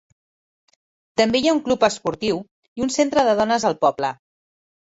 També hi ha un club esportiu i un centre de dones al poble.